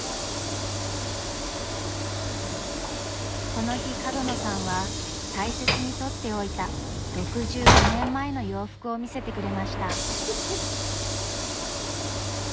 この日角野さんは大切に取っておいた６５年前の洋服を見せてくれました。